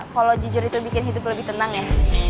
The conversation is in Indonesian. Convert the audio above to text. kalau jujur itu bikin hidup lebih tenang ya